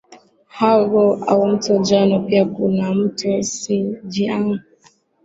Hwangho au mto njano pia kuna mto Xi Jiang